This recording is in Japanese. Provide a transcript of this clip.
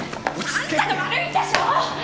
あんたが悪いんでしょ！